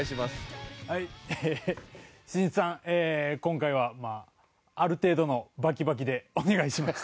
今回はある程度のバキバキでお願いします。